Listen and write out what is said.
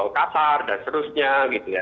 kasar dan seterusnya gitu ya